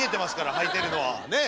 はいてるのはねえ。